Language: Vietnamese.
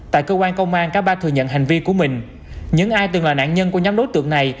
tại cơ quan công an cả ba thừa nhận hành vi của mình những ai từng là nạn nhân của nhóm đối tượng này